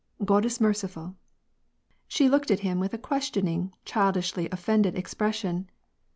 " God is mer ciful." She looked at him with a questioning, childishly offended expression.